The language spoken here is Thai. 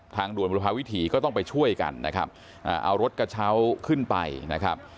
ด่วนบุรพาวิถีก็ต้องไปช่วยกันนะครับเอารถกระเช้าขึ้นไปนะครับ